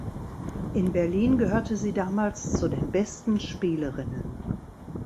In Berlin gehörte sie damals zu den besten Spielerinnen.